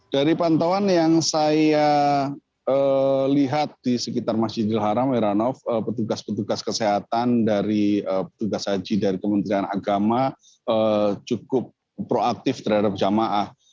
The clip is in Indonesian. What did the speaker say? dari pantauan yang saya lihat di sekitar masjidil haram eranov petugas petugas kesehatan dari petugas haji dari kementerian agama cukup proaktif terhadap jamaah